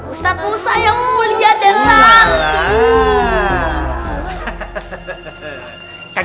ustadz musa yang mulia dan salah